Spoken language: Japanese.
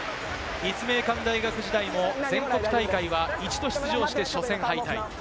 立命館大学時代も全国大会は一度出場して初戦敗退。